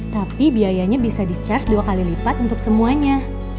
tapi biayanya bisa di charge dua kali lipat untuk semuanya